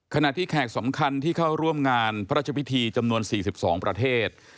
ขณะที่แขกสำคัญที่เข้าร่วมงานพระราชพิธีจำนวน๔๒ประเทศ